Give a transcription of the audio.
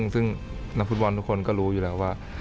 ซึ่งนักฟุตบอลทุกคนก็รู้อยู่แล้วว่า